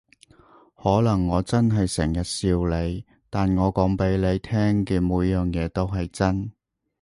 可能我真係成日笑你，但我講畀你聽嘅每樣嘢都係真